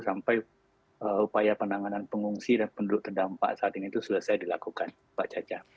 sampai upaya penanganan pengungsi dan penduduk terdampak saat ini itu selesai dilakukan pak caca